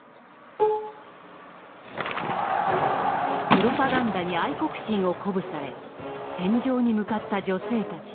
プロパガンダに愛国心を鼓舞され戦場に向かった女性たち。